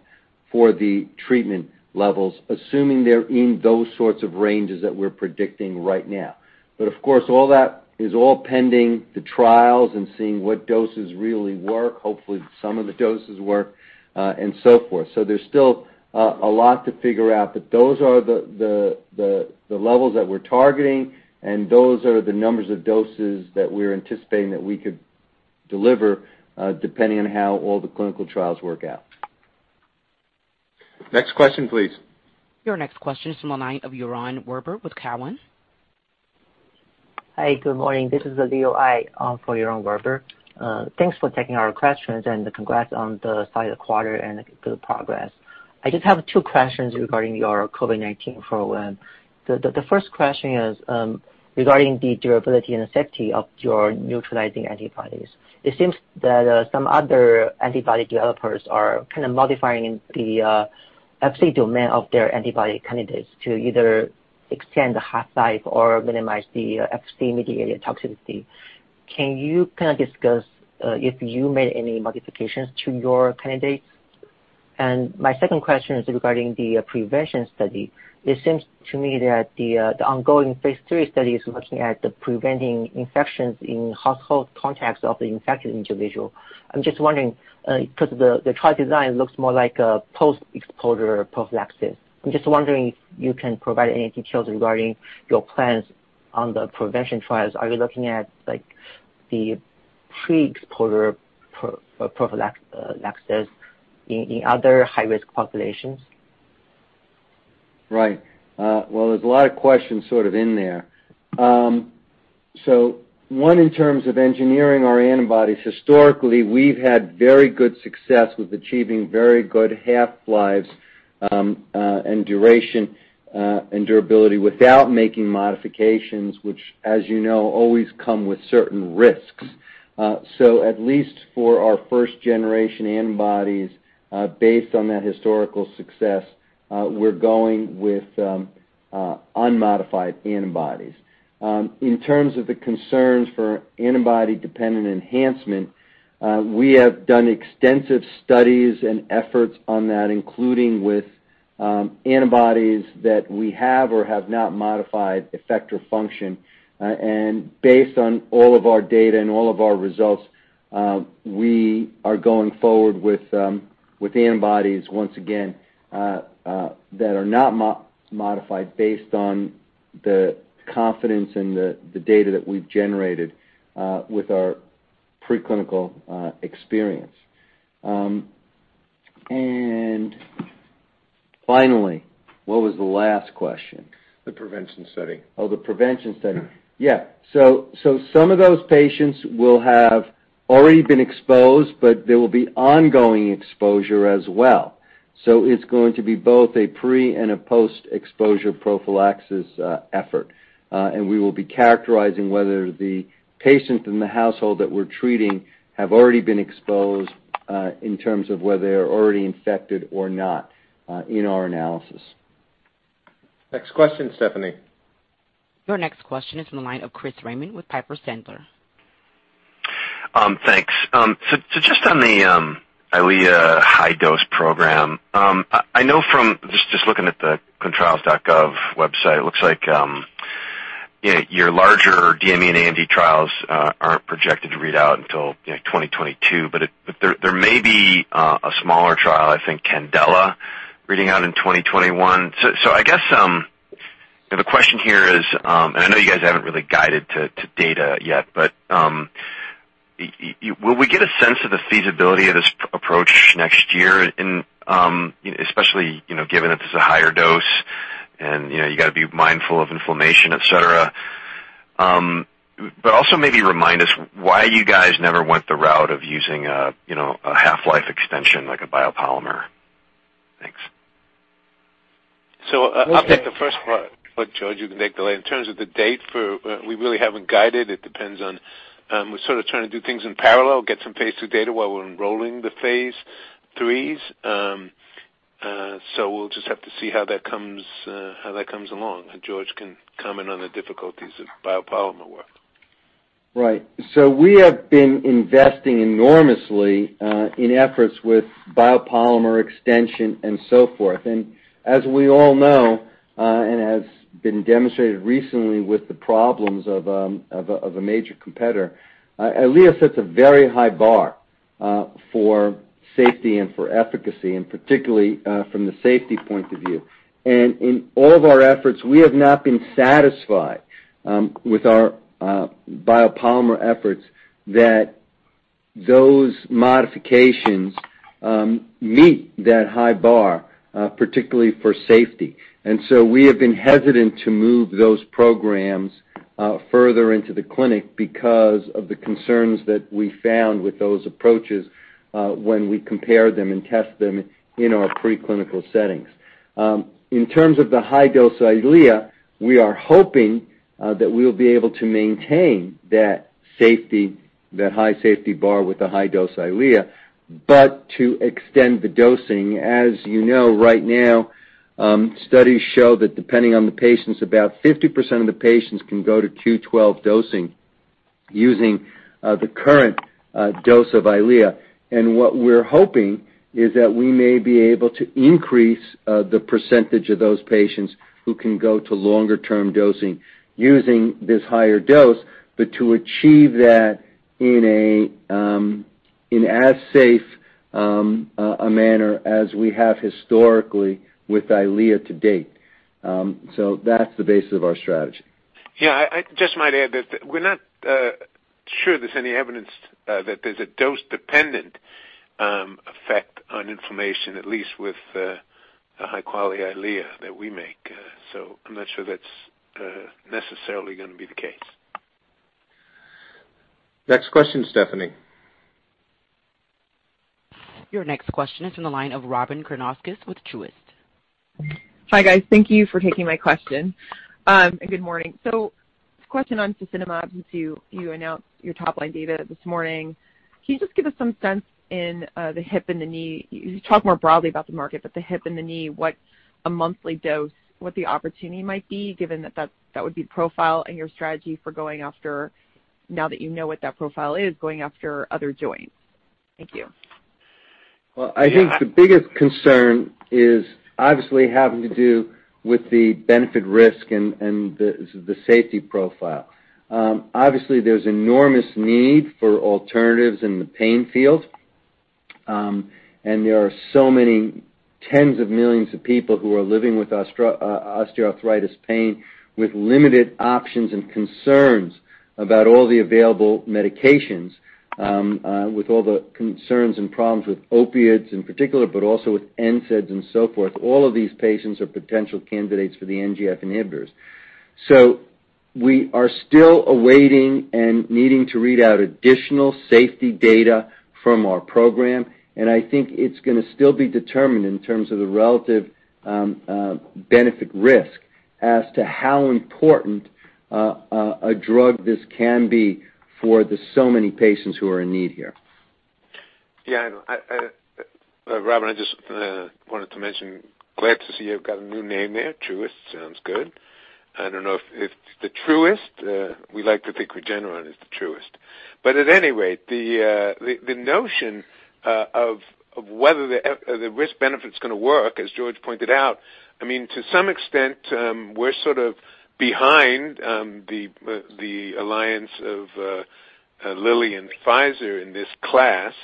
for the treatment levels. Assuming they're in those sorts of ranges that we're predicting right now. Of course, all that is all pending the trials and seeing what doses really work. Hopefully, some of the doses work and so forth. There's still a lot to figure out, but those are the levels that we're targeting, and those are the numbers of doses that we're anticipating that we could deliver, depending on how all the clinical trials work out. Next question, please. Your next question is from the line of Yaron Werber with Cowen. Hi, good morning. This is Leo Ai for Yaron Werber. Thanks for taking our questions, and congrats on the size of the quarter and the good progress. I just have two questions regarding your COVID-19 program. The first question is regarding the durability and safety of your neutralizing antibodies. It seems that some other antibody developers are kind of modifying the Fc domain of their antibody candidates to either extend the half-life or minimize the Fc-mediated toxicity. Can you discuss if you made any modifications to your candidates? My second question is regarding the prevention study. It seems to me that the ongoing phase III study is looking at preventing infections in household contacts of the infected individual. I'm just wondering because the trial design looks more like a post-exposure prophylaxis. I'm just wondering if you can provide any details regarding your plans on the prevention trials. Are you looking at the pre-exposure prophylaxis in other high-risk populations? Right. There's a lot of questions sort of in there. One, in terms of engineering our antibodies, historically, we've had very good success with achieving very good half-lives and duration and durability without making modifications, which as you know, always come with certain risks. At least for our first-generation antibodies, based on that historical success, we're going with unmodified antibodies. In terms of the concerns for antibody-dependent enhancement, we have done extensive studies and efforts on that, including with antibodies that we have or have not modified effector function. Based on all of our data and all of our results, we are going forward with antibodies once again that are not modified based on the confidence in the data that we've generated with our preclinical experience. Finally, what was the last question? The prevention study. Oh, the prevention study. Yeah. Some of those patients will have already been exposed, but there will be ongoing exposure as well. So it's going to be both a pre and a post-exposure prophylaxis effort. We will be characterizing whether the patient in the household that we're treating have already been exposed, in terms of whether they are already infected or not, in our analysis. Next question, Stephanie. Your next question is in the line of Chris Raymond with Piper Sandler. Thanks. Just on the EYLEA high-dose program. I know from just looking at the clinicaltrials.gov website, it looks like your larger DME and AMD trials aren't projected to read out until 2022. There may be a smaller trial, I think CANDELA, reading out in 2021. I guess the question here is, and I know you guys haven't really guided to data yet, but will we get a sense of the feasibility of this approach next year, especially given that this is a higher dose and you got to be mindful of inflammation, et cetera? Also maybe remind us why you guys never went the route of using a half-life extension, like a biopolymer. Thanks. I'll take the first part, but George, you can take the latter. In terms of the date, we really haven't guided. We're sort of trying to do things in parallel, get some phase II data while we're enrolling the phase IIIs. We'll just have to see how that comes along, and George can comment on the difficulties of biopolymer work. Right. We have been investing enormously in efforts with biopolymer extension and so forth. As we all know, and has been demonstrated recently with the problems of a major competitor, EYLEA sets a very high bar for safety and for efficacy, and particularly from the safety point of view. In all of our efforts, we have not been satisfied with our biopolymer efforts that those modifications meet that high bar, particularly for safety. We have been hesitant to move those programs further into the clinic because of the concerns that we found with those approaches when we compare them and test them in our preclinical settings. In terms of the high-dose EYLEA, we are hoping that we'll be able to maintain that high safety bar with the high-dose EYLEA, but to extend the dosing. As you know, right now, studies show that depending on the patients, about 50% of the patients can go to Q12 dosing using the current dose of EYLEA. What we're hoping is that we may be able to increase the percentage of those patients who can go to longer-term dosing using this higher dose, but to achieve that in as safe a manner as we have historically with EYLEA to date. That's the basis of our strategy. Yeah, I just might add that we're not sure there's any evidence that there's a dose-dependent effect on inflammation, at least with the high-quality EYLEA that we make. I'm not sure that's necessarily going to be the case. Next question, Stephanie. Your next question is from the line of Robyn Karnauskas with Truist. Hi, guys. Thank you for taking my question. Good morning. Question on fasinumab, since you announced your top line data this morning. Can you just give us some sense in the hip and the knee? You talked more broadly about the market, but the hip and the knee, what a monthly dose, what the opportunity might be, given that would be profile and your strategy now that you know what that profile is, going after other joints. Thank you. I think the biggest concern is obviously having to do with the benefit risk and the safety profile. There's enormous need for alternatives in the pain field. There are so many tens of millions of people who are living with osteoarthritis pain with limited options and concerns about all the available medications, with all the concerns and problems with opioids in particular, but also with NSAIDs and so forth. All of these patients are potential candidates for the NGF inhibitors. We are still awaiting and needing to read out additional safety data from our program, and I think it's going to still be determined in terms of the relative benefit risk as to how important a drug this can be for the so many patients who are in need here. Yeah, Robyn, I just wanted to mention, glad to see you've got a new name there. Truist sounds good. I don't know if it's the truest. We like to think Regeneron is the truest. At any rate, the notion of whether the risk benefit's going to work, as George pointed out, to some extent, we're sort of behind the alliance of Eli Lilly and Pfizer in this class.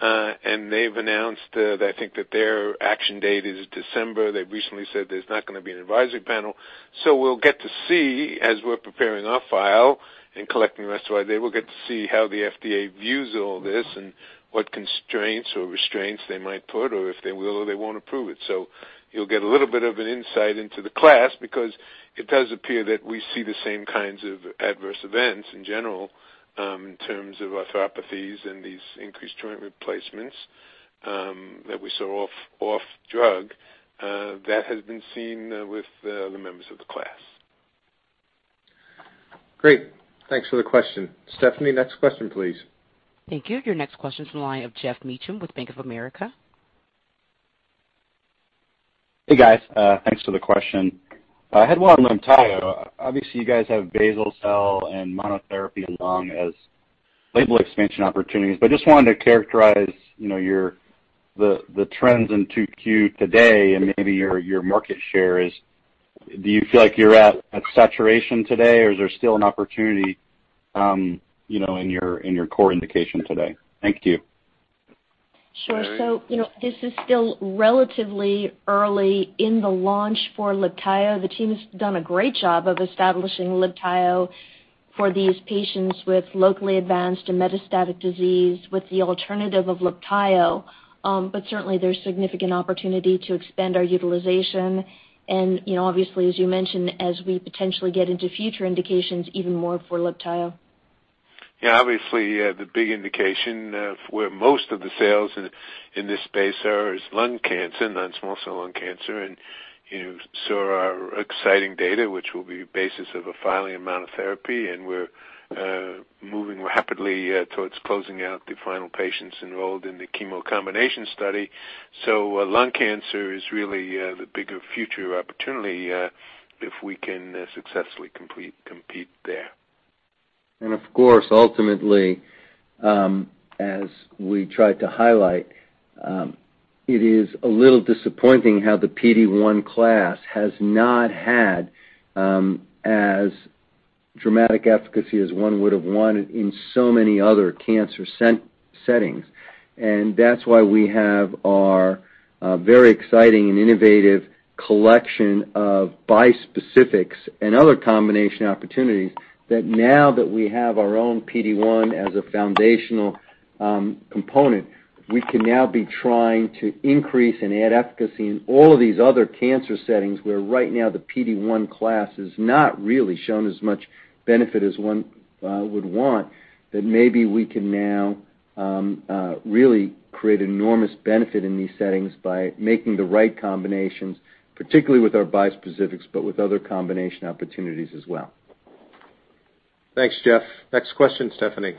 They've announced, I think that their action date is December. They've recently said there's not going to be an advisory panel. We'll get to see as we're preparing our file and collecting the rest of our data, we'll get to see how the FDA views all this and what constraints or restraints they might put or if they will or they won't approve it. You'll get a little bit of an insight into the class because it does appear that we see the same kinds of adverse events in general in terms of arthropathies and these increased joint replacements that we saw off drug. That has been seen with the members of the class. Great. Thanks for the question. Stephanie, next question, please. Thank you. Your next question's from the line of Geoff Meacham with Bank of America. Hey, guys. Thanks for the question. I had one on LIBTAYO. Obviously, you guys have basal cell and monotherapy along as label expansion opportunities, but just wanted to characterize the trends in 2Q today and maybe your market share is. Do you feel like you're at saturation today, or is there still an opportunity in your core indication today? Thank you. Sure. This is still relatively early in the launch for LIBTAYO. The team has done a great job of establishing LIBTAYO for these patients with locally advanced metastatic disease with the alternative of LIBTAYO. Certainly, there's significant opportunity to expand our utilization. As you mentioned, as we potentially get into future indications even more for LIBTAYO. Obviously, the big indication of where most of the sales in this space are is lung cancer, non-small cell lung cancer. You saw our exciting data, which will be the basis of a filing monotherapy, and we're moving rapidly towards closing out the final patients enrolled in the chemo combination study. Lung cancer is really the bigger future opportunity if we can successfully compete there. Of course, ultimately, as we tried to highlight, it is a little disappointing how the PD-1 class has not had as dramatic efficacy as one would have wanted in so many other cancer settings. That's why we have our very exciting and innovative collection of bispecifics and other combination opportunities that now that we have our own PD-1 as a foundational component, we can now be trying to increase and add efficacy in all of these other cancer settings, where right now the PD-1 class has not really shown as much benefit as one would want. Maybe we can now really create enormous benefit in these settings by making the right combinations, particularly with our bispecifics, but with other combination opportunities as well. Thanks, Geoff. Next question, Stephanie.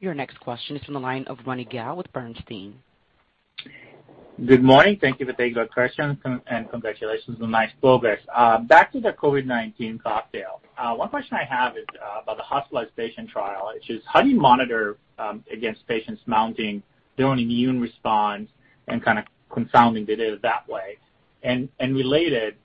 Your next question is from the line of Ronny Gal with Bernstein. Good morning. Thank you for taking the questions, and congratulations on the nice progress. Back to the COVID-19 cocktail. One question I have is about the hospitalized patient trial, which is, how do you monitor against patients mounting their own immune response and kind of confounding data that way? Related,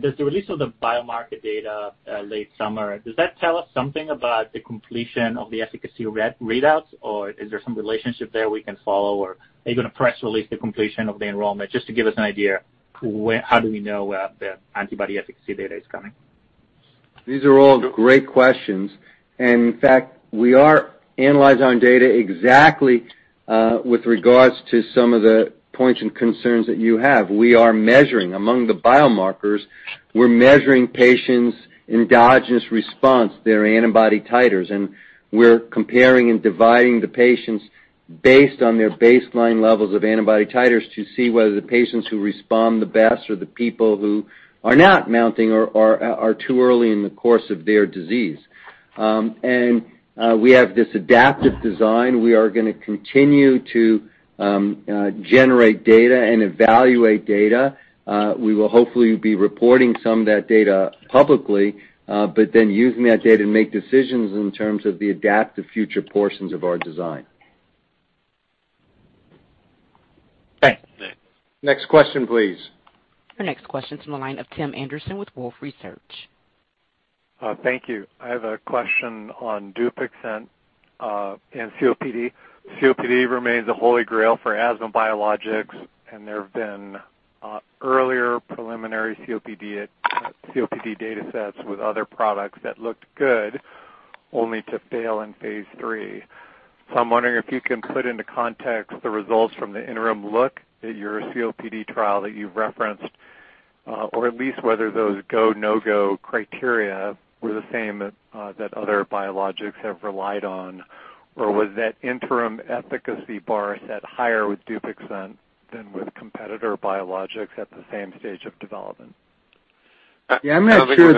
does the release of the biomarker data late summer, does that tell us something about the completion of the efficacy readouts, or is there some relationship there we can follow, or are you going to press release the completion of the enrollment, just to give us an idea, how do we know the antibody efficacy data is coming? These are all great questions. In fact, we are analyzing our data exactly with regards to some of the points and concerns that you have. We are measuring among the biomarkers. We're measuring patients' endogenous response, their antibody titers, and we're comparing and dividing the patients based on their baseline levels of antibody titers to see whether the patients who respond the best are the people who are not mounting or are too early in the course of their disease. We have this adaptive design. We are going to continue to generate data and evaluate data. We will hopefully be reporting some of that data publicly, then using that data to make decisions in terms of the adaptive future portions of our design. Thanks. Next question, please. Your next question's from the line of Tim Anderson with Wolfe Research. Thank you. I have a question on DUPIXENT and COPD. COPD remains the holy grail for asthma biologics. There have been earlier preliminary COPD datasets with other products that looked good, only to fail in phase III. I'm wondering if you can put into context the results from the interim look at your COPD trial that you've referenced, or at least whether those go, no-go criteria were the same that other biologics have relied on. Was that interim efficacy bar set higher with DUPIXENT than with competitor biologics at the same stage of development? Yeah, I'm not sure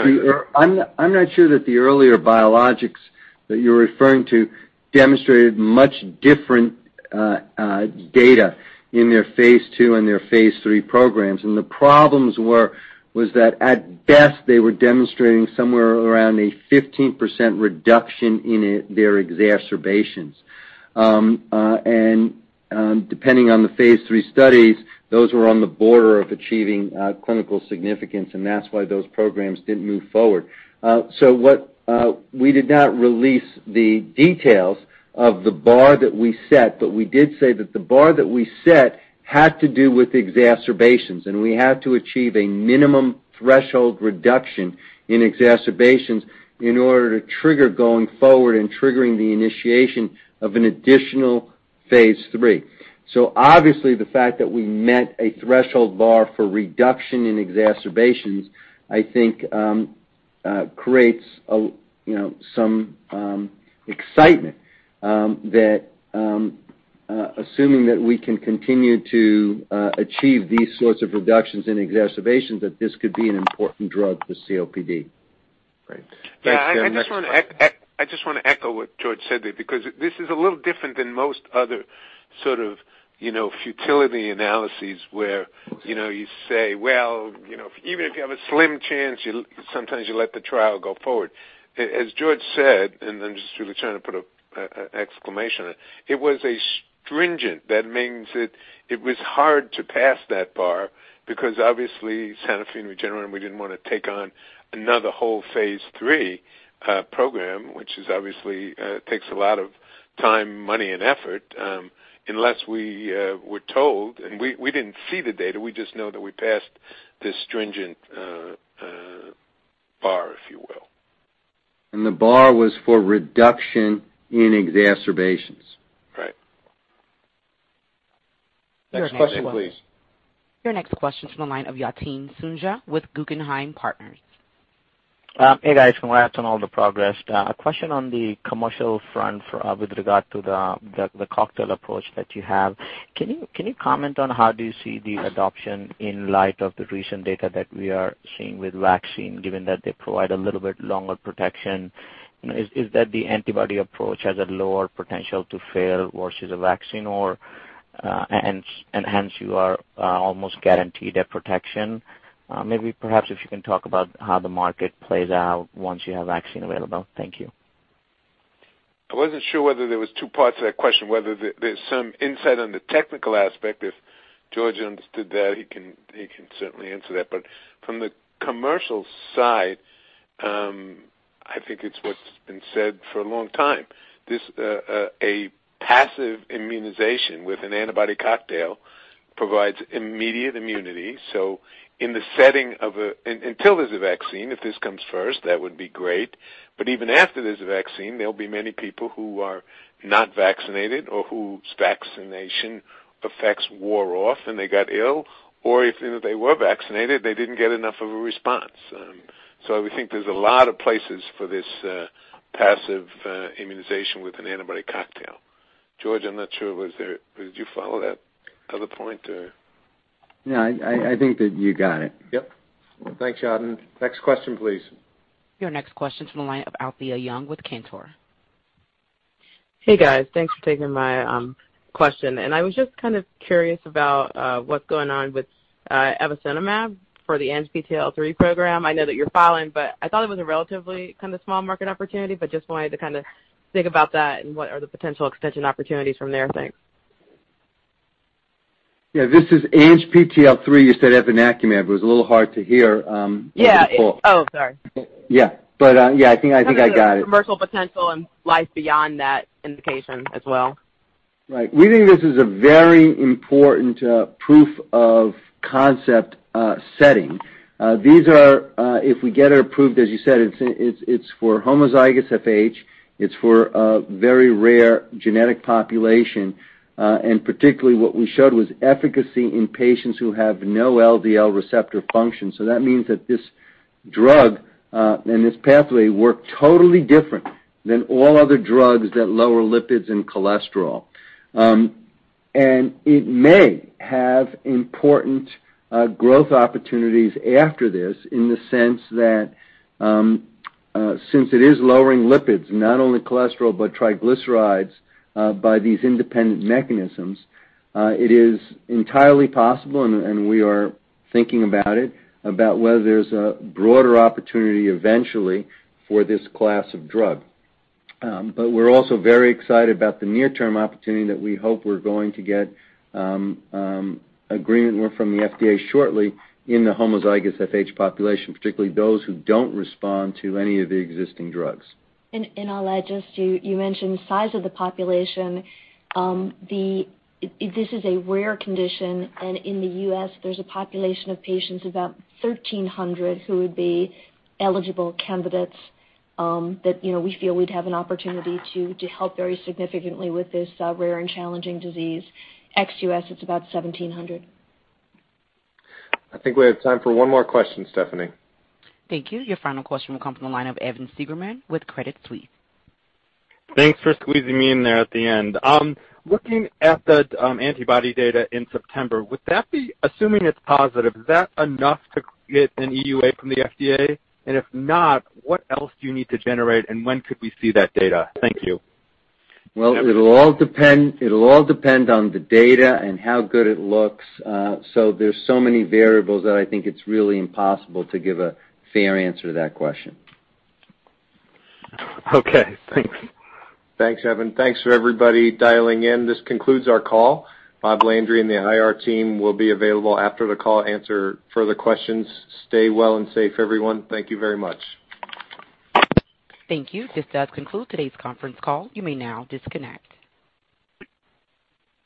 that the earlier biologics that you're referring to demonstrated much different data in their phase II and their phase III programs. The problems was that at best, they were demonstrating somewhere around a 15% reduction in their exacerbations. Depending on the phase III studies, those were on the border of achieving clinical significance, that's why those programs didn't move forward. We did not release the details of the bar that we set, but we did say that the bar that we set had to do with exacerbations, and we had to achieve a minimum threshold reduction in exacerbations in order to trigger going forward and triggering the initiation of an additional phase III. Obviously, the fact that we met a threshold bar for reduction in exacerbations, I think creates some excitement. Assuming that we can continue to achieve these sorts of reductions in exacerbations, that this could be an important drug for COPD. Great. Thanks, Tim. Next question. I just want to echo what George said there, because this is a little different than most other sort of futility analyses where you say, "Well, even if you have a slim chance," sometimes you let the trial go forward. As George said, I'm just really trying to put an exclamation on it was "stringent". That means that it was hard to pass that bar because obviously Sanofi and Regeneron, we didn't want to take on another whole phase III program, which obviously takes a lot of time, money and effort, unless we were told, and we didn't see the data, we just know that we passed this stringent bar, if you will. The bar was for reduction in exacerbations. Right. Next question, please. Your next question is from the line of Yatin Suneja with Guggenheim Partners. Hey, guys. Congrats on all the progress. A question on the commercial front with regard to the cocktail approach that you have. Can you comment on how do you see the adoption in light of the recent data that we are seeing with vaccine, given that they provide a little bit longer protection? Is that the antibody approach has a lower potential to fail versus a vaccine, and hence you are almost guaranteed a protection? Maybe perhaps if you can talk about how the market plays out once you have vaccine available. Thank you. I wasn't sure whether there was two parts to that question, whether there's some insight on the technical aspect. If George understood that, he can certainly answer that. From the commercial side, I think it's what's been said for a long time. A passive immunization with an antibody cocktail provides immediate immunity. In the setting, until there's a vaccine, if this comes first, that would be great. Even after there's a vaccine, there'll be many people who are not vaccinated or whose vaccination effects wore off and they got ill, or if they were vaccinated, they didn't get enough of a response. We think there's a lot of places for this passive immunization with an antibody cocktail. George, I'm not sure. Did you follow that other point? Yeah, I think that you got it. Yep. Thanks, Yatin. Next question, please. Your next question is from the line of Alethia Young with Cantor. Hey, guys. Thanks for taking my question. I was just kind of curious about what's going on with evinacumab for the ANGPTL3 program. I know that you're following, but I thought it was a relatively kind of small market opportunity, but just wanted to kind of think about that and what are the potential extension opportunities from there? Thanks. Yeah, this is ANGPTL3. You said evinacumab. It was a little hard to hear on the call. Yeah. Oh, sorry. Yeah. Yeah, I think I got it. Commercial potential and life beyond that indication as well. Right. We think this is a very important proof of concept setting. If we get it approved, as you said, it's for homozygous FH. It's for a very rare genetic population. Particularly what we showed was efficacy in patients who have no LDL receptor function. That means that this drug and this pathway work totally different than all other drugs that lower lipids and cholesterol. It may have important growth opportunities after this in the sense that since it is lowering lipids, not only cholesterol, but triglycerides by these independent mechanisms, it is entirely possible, and we are thinking about it, about whether there's a broader opportunity eventually for this class of drug. We're also very excited about the near-term opportunity that we hope we're going to get agreement from the FDA shortly in the homozygous FH population, particularly those who don't respond to any of the existing drugs. I'll add, just you mentioned the size of the population. This is a rare condition. In the U.S., there's a population of patients, about 1,300, who would be eligible candidates that we feel we'd have an opportunity to help very significantly with this rare and challenging disease. Ex-U.S., it's about 1,700. I think we have time for one more question, Stephanie. Thank you. Your final question will come from the line of Evan Seigerman with Credit Suisse. Thanks for squeezing me in there at the end. Looking at the antibody data in September, assuming it's positive, is that enough to get an EUA from the FDA? If not, what else do you need to generate, and when could we see that data? Thank you. Well, it'll all depend on the data and how good it looks. There's so many variables that I think it's really impossible to give a fair answer to that question. Okay, thanks. Thanks, Evan. Thanks for everybody dialing in. This concludes our call. Bob Landry and the IR team will be available after the call to answer further questions. Stay well and safe, everyone. Thank you very much. Thank you. This does conclude today's conference call. You may now disconnect.